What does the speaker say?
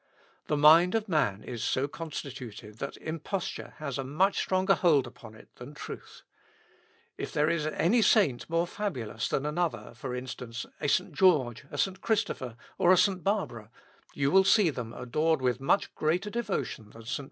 The mind of man is so constituted that imposture has a much stronger hold upon it than truth. If there is any saint more fabulous than another, for instance, a St. George, a St. Christopher, or a St. Barbara, you will see them adored with much greater devotion than St. Peter, St. Paul, or Christ himself."